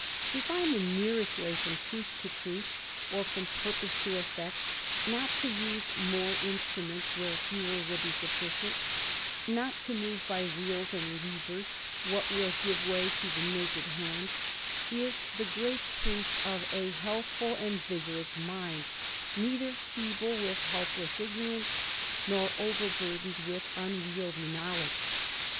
To find the nearest way from truth to truth, or from purpose to effect, not to use more instruments where fewer will be sufficient, not to move by wheels and levers what will give way to the naked hand, is the great proof of a healthful and vigorous mind, neither feeble with helpless ignorance, nor over burdened with unwieldly knowledge.